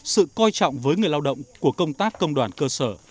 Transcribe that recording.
sự coi trọng với người lao động của công tác công đoàn cơ sở